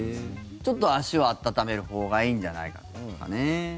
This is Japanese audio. ちょっと足を温めるほうがいいんじゃないかということですね。